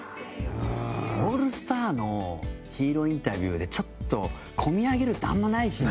オールスターのヒーローインタビューでちょっと、こみ上げるってあんまりないしね。